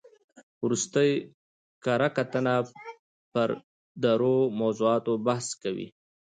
ورستۍ کره کتنه پر درو موضوعاتو بحث کوي.